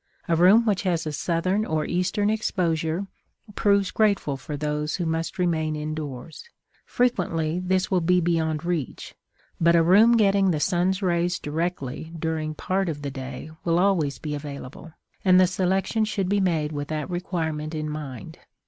A room which has a southern or eastern exposure proves grateful for those who must remain indoors; frequently, this will be beyond reach, but a room getting the sun's rays directly during part of the day will always be available, and the selection should be made with that requirement in mind.